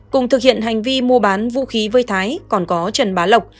cùng thực hiện hành vi mua bán vũ khí với thái còn có trần bá lộc